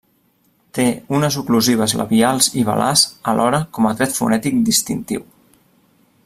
Té unes oclusives labials i velars alhora com a tret fonètic distintiu.